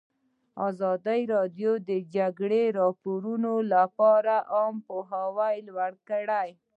ازادي راډیو د د جګړې راپورونه لپاره عامه پوهاوي لوړ کړی.